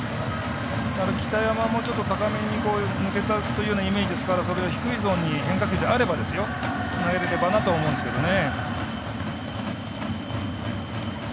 北山はもうちょっと高めに抜けたというイメージですから低いゾーンに変化球であれば投げられればなと思うんですね。